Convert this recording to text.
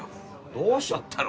どうしちゃったの？